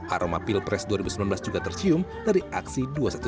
aroma pilpres dua ribu sembilan belas juga tercium dari aksi dua ratus dua belas